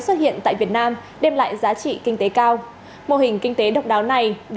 xuất hiện tại việt nam đem lại giá trị kinh tế cao mô hình kinh tế độc đáo này đã